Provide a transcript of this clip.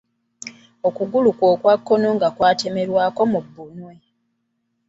Okugulu kwe okwa kkono nga kwatemerwako mu bbunwe.